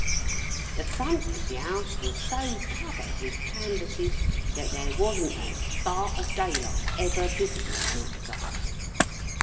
The front of the House was so covered with canvasses, that there wasn't a spark of daylight ever visible on that side.